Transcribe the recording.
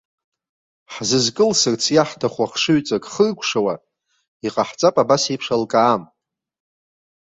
Ҳзызкылсырц иаҳҭаху ахшыҩҵак хыркәшауа, иҟаҳҵап абасеиԥш алкаа.